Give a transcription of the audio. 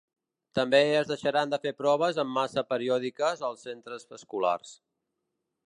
També es deixaran de fer proves en massa periòdiques als centres escolars.